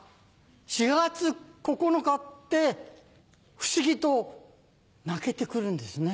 ４月９日って不思議と泣けてくるんですね。